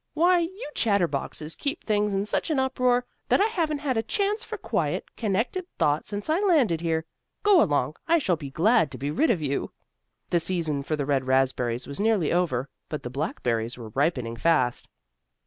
Why, you chatter boxes keep things in such an uproar that I haven't had a chance for quiet, connected thought since I landed here. Go along. I shall be glad to be rid of you." The season for the red raspberries was nearly over, but the blackberries were ripening fast.